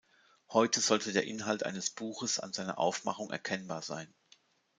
Heute sollte der Inhalt eines Buches an seiner Aufmachung erkennbar sein.